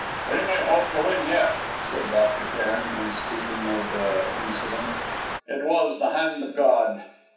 "We may hope to win yet," said Dr. Cairn, in speaking of the incident. "It was the hand of God."